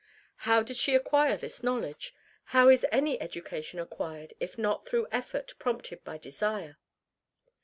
How did she acquire this knowledge? How is any education acquired if not through effort prompted by desire?